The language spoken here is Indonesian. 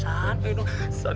san pengen nikah nih sama dini